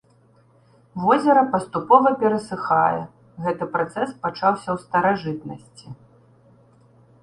Возера паступова перасыхае, гэты працэс пачаўся ў старажытнасці.